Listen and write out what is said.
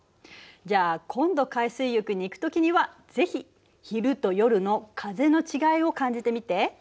じゃあ今度海水浴に行く時にはぜひ昼と夜の風の違いを感じてみて。